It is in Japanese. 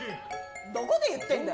どこで言ってんだよ。